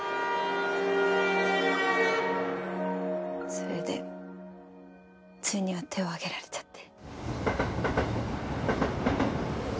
それでついには手を上げられちゃって。